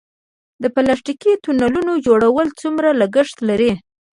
د پلاستیکي تونلونو جوړول څومره لګښت لري؟